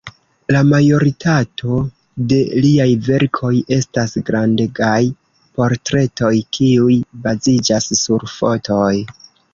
La majoritato de liaj verkoj estas grandegaj portretoj, kiuj baziĝas sur fotoj.